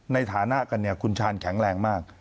ในฐานะกันเนี่ยคุณชาญแข็งแรงมาก